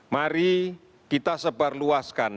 mari kita sebarluaskan